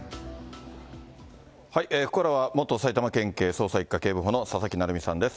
ここからは元埼玉県警捜査１課警部補の佐々木成三さんです。